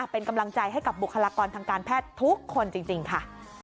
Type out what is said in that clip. เป็นกำลังใจให้กับบุคลากรทางการแพทย์ทุกคนจริงค่ะ